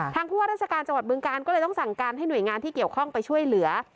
ผู้ว่าราชการจังหวัดบึงการก็เลยต้องสั่งการให้หน่วยงานที่เกี่ยวข้องไปช่วยเหลือ